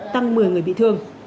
tăng một mươi người bị thương